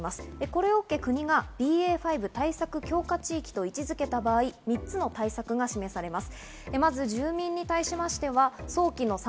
これを受けて、国がＢＡ．５対策強化地域と位置付けた場合、３つの対策が示されます。